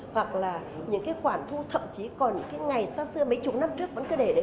hoặc là những cái khoản thu thậm chí còn những cái ngày xa xưa mấy chục năm trước vẫn cứ để đấy